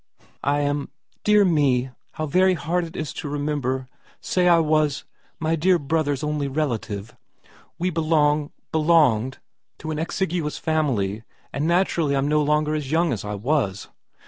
* I am dear me, how very hard it is to remember to say I was my dear brother's only relative. We belong belonged to an exiguous family, and naturally I'm no longer as young as I was.